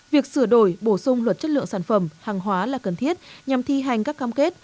việc sửa đổi bổ sung luật chất lượng sản phẩm hàng hóa là cần thiết nhằm thi hành các cam kết